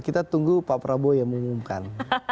kita tunggu pak prabowo yang mengumumkan